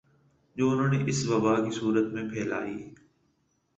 جو انھوں نے اس وبا کی صورت میں پھیلائی